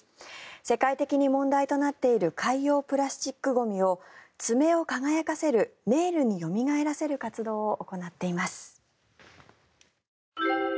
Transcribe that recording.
世界的に問題となっている海洋プラスチックゴミを爪を輝かせるネイルによみがえらせる活動を行っています。